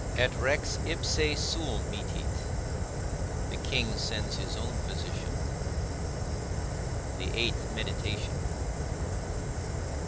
ET REX IPSE SUUM MITTIT. The King sends his own physician. VIII. MEDITATION.